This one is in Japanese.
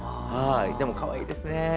かわいいですね。